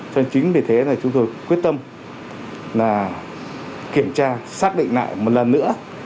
cho nên chính vì thế là chúng tôi quyết tâm là kiểm tra xác định lại một lần nữa